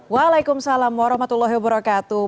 waalaikumsalam warahmatullahi wabarakatuh